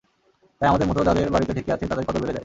তাই আমাদের মতো যাঁদের বাড়িতে ঢেঁকি আছে, তাঁদের কদর বেড়ে যায়।